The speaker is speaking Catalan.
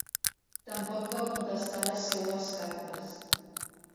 Tampoc va contestar les seues cartes.